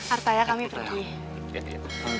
artaya kami pergi